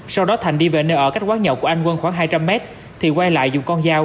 sau đó thành đi về nơi ở cách quán nhậu của anh quân khoảng hai trăm linh mét